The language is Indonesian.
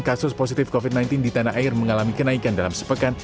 kasus positif covid sembilan belas di tanah air mengalami kenaikan dalam sepekan